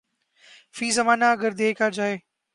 فی زمانہ اگر دیکھا جائے